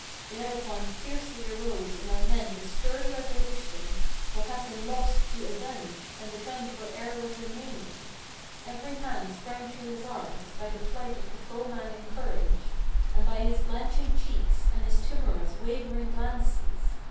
Thereupon fiercely arose in our men the stern resolution What had been lost to avenge, and defend whate'er was remaining, Every man sprang to his arms, by the flight of the foeman encouraged, And by his blanching cheeks, and his timorous, wavering glances.